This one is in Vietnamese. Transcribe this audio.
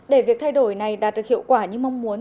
để việc thay đổi này đạt được hiệu quả như mong muốn